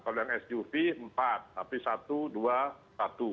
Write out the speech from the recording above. kalau yang suv empat tapi satu dua satu